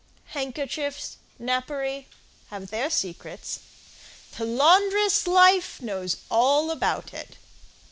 Handkerchiefs, napery, have their secrets— The laundress, Life, knows all about it.